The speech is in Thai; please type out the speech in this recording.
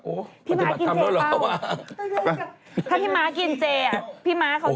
ถ้าพี่มากกินเจ๊